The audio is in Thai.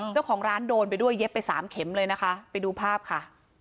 เจ้าของร้านโดนไปด้วยเย็บไปสามเข็มเลยนะคะไปดูภาพค่ะ